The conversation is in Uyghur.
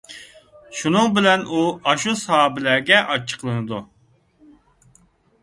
شۇنىڭ بىلەن ئۇ ئاشۇ ساھابىلەرگە ئاچچىقلىنىدۇ.